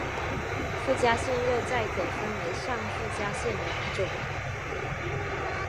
附加线又再可分为上附加线两种。